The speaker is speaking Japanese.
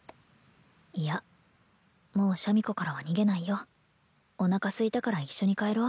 いやもうシャミ子からは逃げないよおなかすいたから一緒に帰ろう